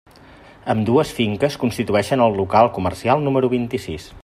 Ambdues finques constitueixen el local comercial número vint-i-sis.